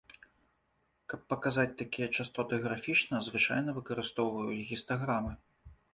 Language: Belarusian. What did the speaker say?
Каб паказаць такія частоты графічна, звычайна выкарыстоўваюць гістаграмы.